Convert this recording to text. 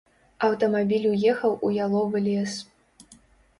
Аўтамабіль уехаў у яловы лес.